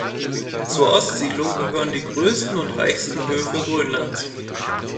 Zur Ostsiedlung gehören die größten und reichsten Höfe Grönlands.